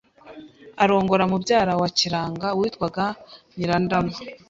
arongora mubyara wa Kiranga witwaga Nyirandama